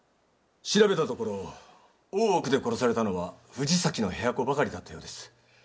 調べたところ大奥で殺されたのは藤崎の部屋子ばかりだったようです。